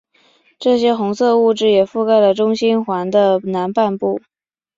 这些红色物质也覆盖了中心环的南半部。